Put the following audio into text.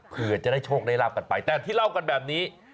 เพื่อจะได้โชคได้ราบกันไปแต่ที่เล่ากันแบบนี้